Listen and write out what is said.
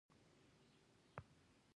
فرمان کسکر د پښتو ژبې نامتو شاعر دی